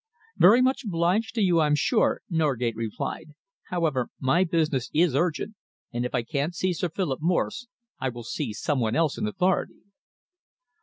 "Very much obliged to you, I'm sure," Norgate replied. "However, my business is urgent, and if I can't see Sir Philip Morse, I will see some one else in authority."